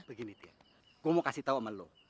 gue mau kasih tau sama lo